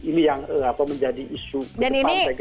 ini yang menjadi isu ke depan